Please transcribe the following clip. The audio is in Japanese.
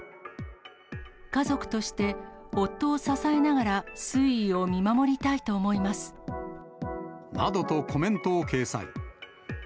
家族として夫を支えながら推などとコメントを掲載。